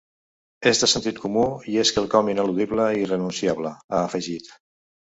És de sentit comú i és quelcom ineludible i irrenunciable, ha afegit.